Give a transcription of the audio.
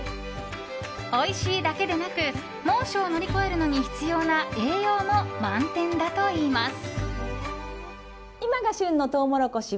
おいしいだけでなく猛暑を乗り越えるのに必要な栄養も満点だといいます。